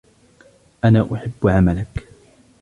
أنا أُحب عملك.